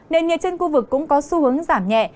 nền nhiệt trên khu vực cũng có xu hướng giảm nhẹ